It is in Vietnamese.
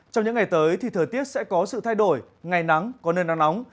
trong những ngày tới thì thời tiết sẽ có sự thay đổi ngày nắng có nơi nắng nóng